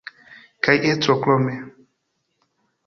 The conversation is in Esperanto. Kaj estro krome.